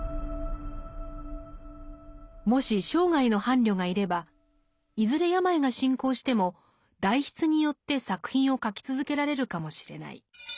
もし生涯の伴侶がいればいずれ病が進行しても代筆によって作品を書き続けられるかもしれない。